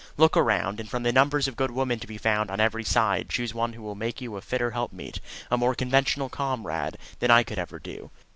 Look around, and from the numbers of good women to be found on every side choose one who will make you a fitter helpmeet, a more conventional comrade, than I could ever do.